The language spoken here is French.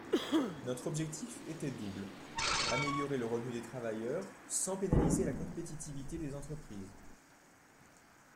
Notre objectif était double : améliorer le revenu des travailleurs sans pénaliser la compétitivité des entreprises.